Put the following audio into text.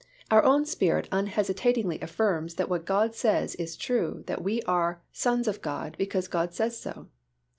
Our own spirit unhesitatingly affirms that what God says is true that we are sons of God because God says so.